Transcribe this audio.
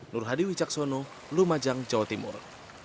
nur hadi wicaksono lumajang jawa timur